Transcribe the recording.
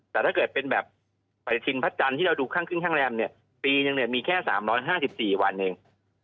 แต่ถ้าเกิดเป็นแบบปฏิทินพระจันทร์ที่เราดูข้างขึ้นข้างแรมเนี่ยปีนึงเนี่ยมีแค่๓๕๔วันเอง